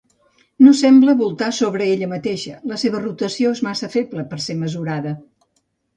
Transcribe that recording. No sembla voltar sobre ella mateixa, la seva rotació és massa feble per ser mesurada.